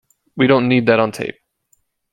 We don't need that on tape!